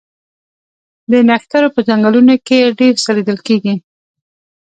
د نښترو په ځنګلونو کې ډیر څه لیدل کیږي